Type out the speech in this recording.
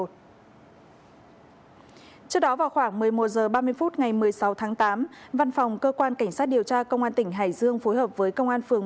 trước đó vào khoảng một mươi một h ba mươi phút ngày một mươi sáu tháng tám văn phòng cơ quan cảnh sát điều tra công an tỉnh hải dương phối hợp với công an phường